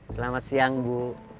selamat siang bu